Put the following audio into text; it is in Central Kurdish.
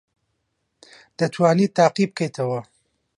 دەتوانیت تاقی بکەیتەوە؟